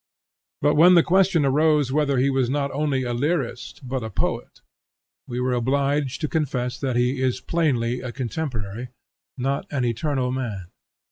But when the question arose whether he was not only a lyrist but a poet, we were obliged to confess that he is plainly a contemporary, not an eternal man.